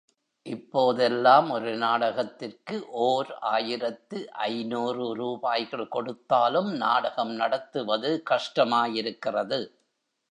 இப்போதெல்லாம் ஒரு நாடகத்திற்கு ஓர் ஆயிரத்து ஐநூறு ரூபாய்கள் கொடுத்தாலும் நாடகம் நடத்துவது கஷ்டமாயிருக்கிறது.